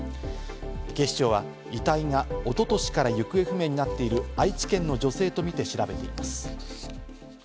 警視庁は遺体が、一昨年から行方不明となっている愛知県の女性とみて調べています。